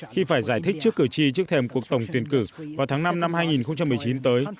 khi phải giải thích trước cử tri trước thềm cuộc tổng tuyển cử vào tháng năm năm hai nghìn một mươi chín tới